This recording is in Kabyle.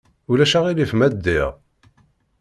Ulac aɣilif ma ddiɣ?